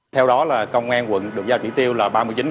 theo đó là công an quận được giao chỉ tiêu là ba mươi chín